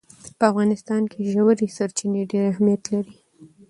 په افغانستان کې ژورې سرچینې ډېر اهمیت لري.